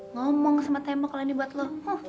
ngomong sama tembok lah ini buat lo